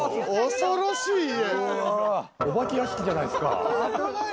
恐ろしい家。